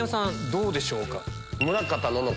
どうでしょうか？